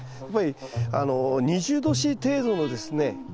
やっぱり２０℃程度のですね